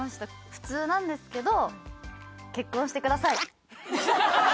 普通なんですけど。